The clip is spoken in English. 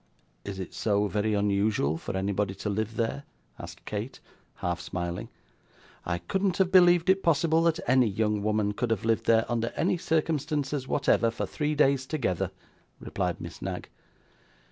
'Is it so very unusual for anybody to live there?' asked Kate, half smiling. 'I couldn't have believed it possible that any young woman could have lived there, under any circumstances whatever, for three days together,' replied Miss Knag.